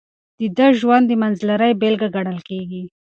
د ده ژوند د منځلارۍ بېلګه ګڼل کېږي.